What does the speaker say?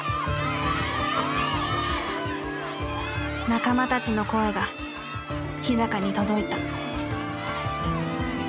仲間たちの声が日に届いた。